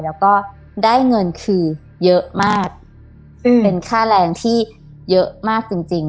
แล้วก็ได้เงินคือเยอะมากซึ่งเป็นค่าแรงที่เยอะมากจริงจริง